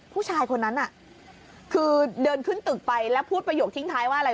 ผู้ชายคนนั้นน่ะคือเดินขึ้นตึกไปแล้วพูดประโยคทิ้งท้ายว่าอะไร